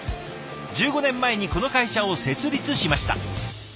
１５年前にこの会社を設立しました。